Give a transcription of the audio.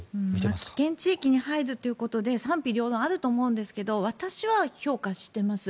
危険地域に入るということで賛否両論あると思いますが私は評価しています。